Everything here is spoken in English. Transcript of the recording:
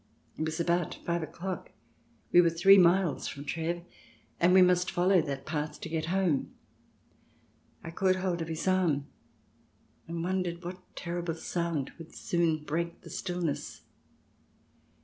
It was about five o'clock. We were three miles from Treves, and we must follow that path to get home. I caught hold of his arm, and wondered what terrible sound would soon break the stillness.